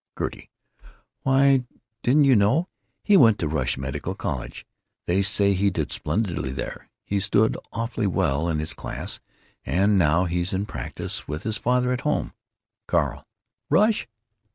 Gertie: "Why, didn't you know? He went to Rush Medical College. They say he did splendidly there; he stood awfully well in his classes, and now he's in practise with his father, home." Carl: "Rush?"